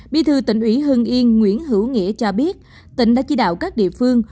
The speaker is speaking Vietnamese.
bi thư tỉnh ủy hưng yên nguyễn hữu nghĩa cho biết tỉnh đã chỉ đạo các địa phương